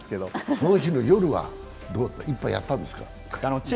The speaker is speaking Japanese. その日の夜は１杯やったんですか？